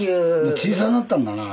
小さなったんだな足。